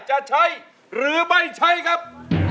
จะใช้หรือไม่ใช้ครับ